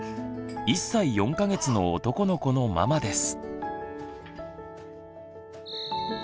１歳４か月の男の子のママです。